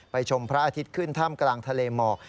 ชมพระอาทิตย์ขึ้นถ้ำกลางทะเลหมอก